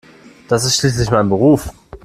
Das ist schließlich mein Beruf.